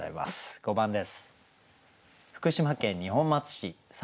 ５番です。